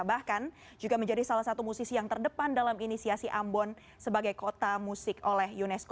bahkan juga menjadi salah satu musisi yang terdepan dalam inisiasi ambon sebagai kota musik oleh unesco